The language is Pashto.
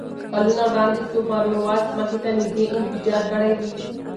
کلونه وړاندې سوپرنووا ځمکې ته نږدې انفجار کړی وي.